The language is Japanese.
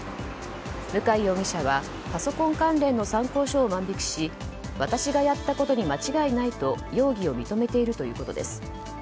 向井容疑者はパソコン関連の参考書を万引きし私がやったことに間違いないと容疑を認めているということです。